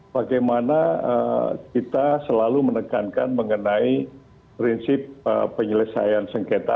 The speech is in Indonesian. bagaimana kita selalu menekankan mengenai prinsip penyelesaian sengketa